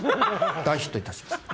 大ヒットいたしました。